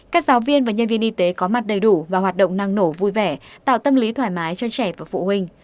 các giáo viên và nhân viên y tế có mặt đầy đủ và hoạt động năng nổ vui vẻ tạo tâm lý thoải mái cho trẻ và phụ huynh